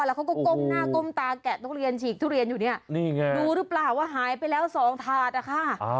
แล้วเขาก็ก้มหน้าก้มตาแกะทุเรียนฉีกทุเรียนอยู่เนี่ยนี่ไงรู้หรือเปล่าว่าหายไปแล้วสองถาดนะคะ